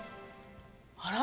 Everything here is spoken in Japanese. あら？